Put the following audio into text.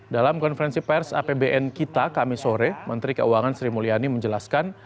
dalam konferensi pers apbn kita kami sore menteri keuangan sri mulyani menjelaskan